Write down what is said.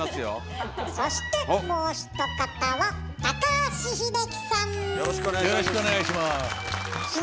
そしてもう一方はよろしくお願いします。